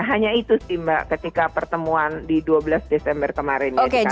hanya itu sih mbak ketika pertemuan di dua belas desember kemarin